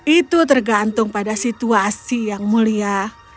itu tergantung pada situasi yang mulia